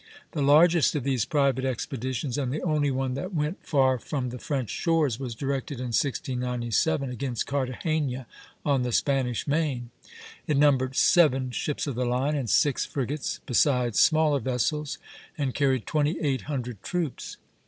The largest of these private expeditions, and the only one that went far from the French shores, was directed in 1697 against Cartagena, on the Spanish Main. It numbered seven ships of the line and six frigates, besides smaller vessels, and carried twenty eight hundred troops.